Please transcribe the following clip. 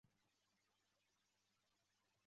三氧化二砷会和氧化剂。